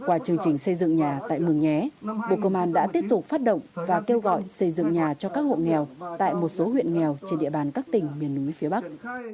qua chương trình xây dựng nhà tại mường nhé bộ công an đã tiếp tục phát động và kêu gọi xây dựng nhà cho các hộ nghèo tại một số huyện nghèo trên địa bàn các tỉnh miền núi phía bắc